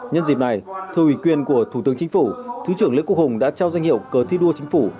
nhân dịp này thưa ủy quyền của thủ tướng chính phủ thứ trưởng lê quốc hùng đã trao danh hiệu cờ thi đua chính phủ